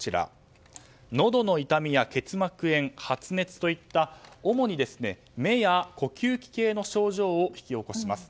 のどの痛みや結膜炎発熱といった主に目や呼吸器系の症状を引き起こします。